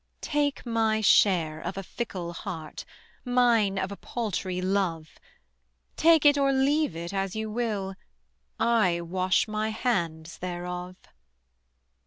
"Take my share of a fickle heart, Mine of a paltry love: Take it or leave it as you will, I wash my hands thereof."